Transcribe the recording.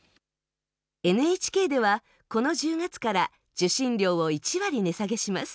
ＮＨＫでは、この１０月から受信料を１割値下げします。